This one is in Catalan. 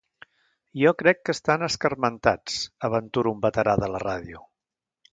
Jo crec que estan escarmentats —aventura un veterà de la ràdio.